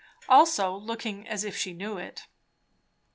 Also looking as if she knew it.